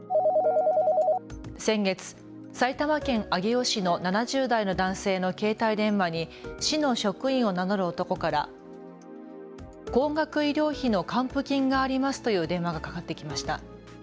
先月、埼玉県上尾市の７０代の男性の携帯電話に市の職員を名乗る男から高額医療費の還付金がありますという電話がかかってきました。